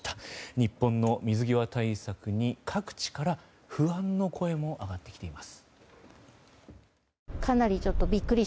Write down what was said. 日本の水際対策に各地から不安の声も上がってきています。